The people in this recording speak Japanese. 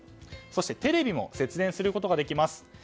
そしてテレビも節電することができます。